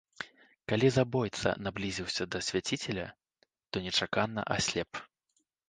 Калі забойца наблізіўся да свяціцеля, то нечакана аслеп.